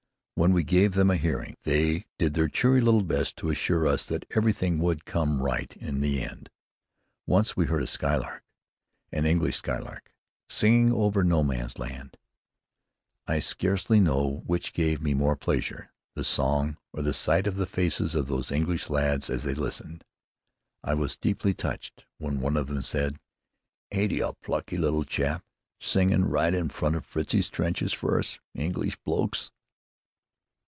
When we gave them a hearing, they did their cheery little best to assure us that everything would come right in the end. Once we heard a skylark, an English skylark, singing over No Man's Land! I scarcely know which gave me more pleasure, the song, or the sight of the faces of those English lads as they listened. I was deeply touched when one of them said: "Ain't 'e a plucky little chap, singin' right in front of Fritzie's trenches fer us English blokes?"